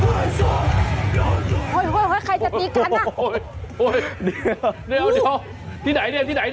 โอ้ยเดี๋ยวที่ไหนนี่